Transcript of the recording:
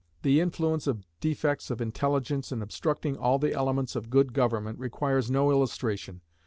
The influence of defects of intelligence in obstructing all the elements of good government requires no illustration.